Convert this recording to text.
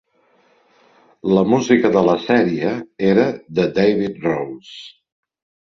La música de la sèrie era de David Rose.